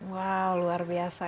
wow luar biasa